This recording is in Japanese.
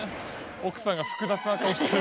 奥さんが複雑な顔してる。